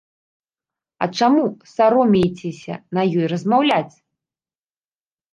А чаму саромеецеся на ёй размаўляць?